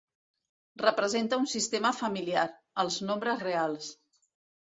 Representa un sistema familiar: els nombres reals.